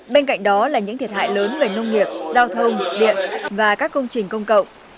bên cạnh đó là những thiệt hại lớn về nông nghiệp giao thông điện và các công trình công cộng